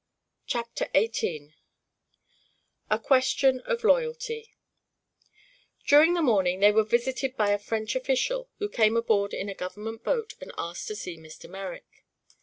CHAPTER XVIII A QUESTION OF LOYALTY During the morning they were visited by a French official who came aboard in a government boat and asked to see Mr. Merrick.